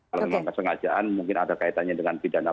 kalau memang kesengajaan mungkin ada kaitannya dengan pidana